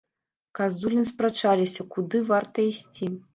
Казулін спрачаліся, куды варта ісці.